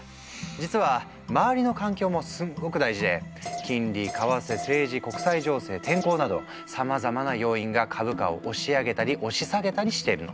実は周りの環境もすっごく大事で金利為替政治国際情勢天候などさまざまな要因が株価を押し上げたり押し下げたりしているの。